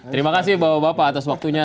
terima kasih bapak bapak atas waktunya